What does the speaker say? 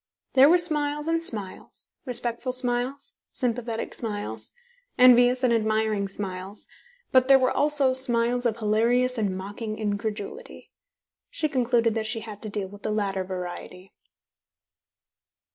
There were smiles and smiles, respectful smiles, sympathetic smiles, envious and admiring smiles, but there were also smiles of hilarious and mocking incredulity. She concluded that she had to deal with the latter variety.